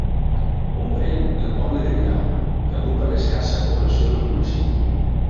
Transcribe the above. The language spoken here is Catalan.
Comprèn el poble de Virà, que agrupa l'escassa població del municipi.